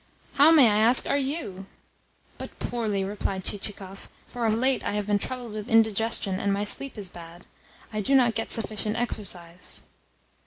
"How, may I ask, are YOU?" "But poorly," replied Chichikov, "for of late I have been troubled with indigestion, and my sleep is bad. I do not get sufficient exercise."